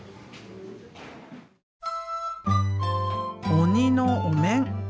鬼のお面。